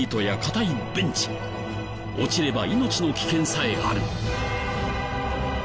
落ちれば命の危険さえある。